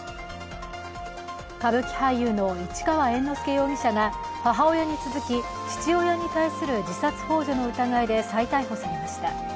歌舞伎俳優の市川猿之助容疑者が母親に続き、父親に対する自殺ほう助の疑いで再逮捕されました。